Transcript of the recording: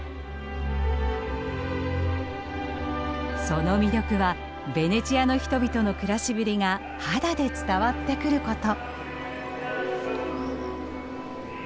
その魅力はベネチアの人々の暮らしぶりが肌で伝わってくること。